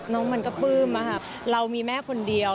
มันก็ปลื้มเรามีแม่คนเดียว